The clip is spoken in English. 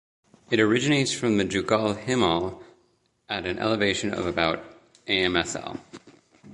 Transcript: It originates from the Jugal Himal at an elevation of about amsl.